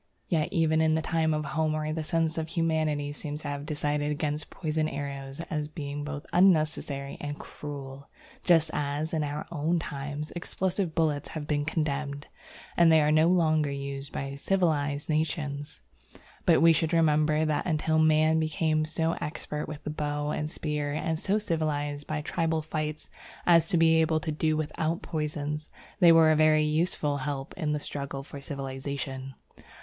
Yet even in the time of Homer the sense of humanity seems to have decided against poisoned arrows as being both unnecessary and cruel, just as, in our own times, explosive bullets have been condemned, and are no longer used by civilized nations. But we should remember that until man became so expert with the bow and spear and so civilized by tribal fights as to be able to do without poisons, they were a very useful help in the struggle for civilization.